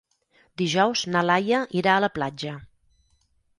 Dijous na Laia irà a la platja.